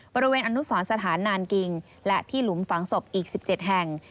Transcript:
บริเวณอนุสรสถานนานกิงและที่หลุมฝังศพอีก๑๗แห่ง